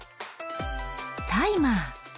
タイマー。